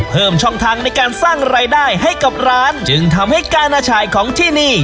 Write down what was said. เพิ่มช่องทางในการสร้างรายได้ให้กับร้านจึงทำให้การอาฉายของที่นี่